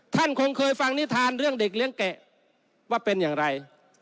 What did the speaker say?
ท่านคงเคยฟังนิทานเรื่องเด็กเลี้ยงแกะว่าเป็นอย่างไร